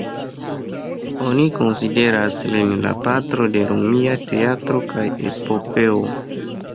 Oni konsideras lin la patro de romia teatro kaj epopeo.